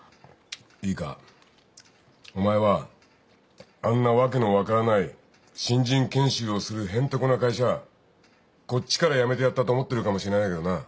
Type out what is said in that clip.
いいかお前はあんな訳の分からない新人研修をするへんてこな会社こっちから辞めてやったと思ってるかもしれないけどな